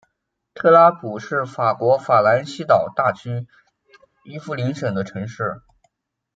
特拉普是法国法兰西岛大区伊夫林省的城市。